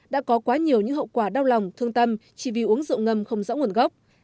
đã có quá nhiều những hậu quả đau lòng thương tâm chỉ vì uống rượu ngâm không rõ nguồn gốc